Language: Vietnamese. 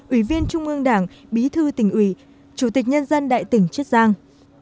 ủy viên trung ương đảng bí thư tỉnh ủy chủ tịch nhân dân đại tỉnh chiết giang